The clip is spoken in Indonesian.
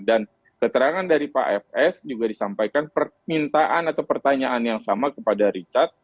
dan keterangan dari pak fs juga disampaikan permintaan atau pertanyaan yang sama kepada richard